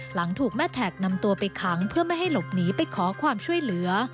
หลังถูกแม่แท็กนำตัวไปขังเพื่อไม่ให้หลบหนีไปขอความช่วยเหลือ